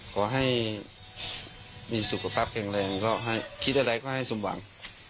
ขอให้มีสุขภาพแข็งแรงก็ให้คิดอะไรก็ให้สมหวัง